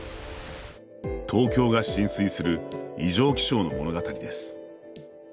東京が浸水する異常気象の物語です。